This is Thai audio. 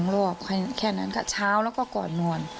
รอบแค่นั้นก็เช้าแล้วก็ก่อนนอน